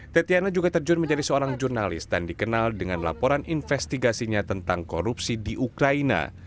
tetiana juga terjun menjadi seorang jurnalis dan dikenal dengan laporan investigasinya tentang korupsi di ukraina